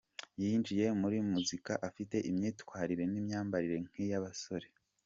Yinjiye muri muzika afite imyitwarire n’imyambarire nk’iy’abasore.